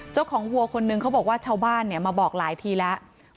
เจ้าของวัวคนหนึ่งเขาบอกว่าเช่าบ้านเนี่ยมาบอกหลายทีแล้ว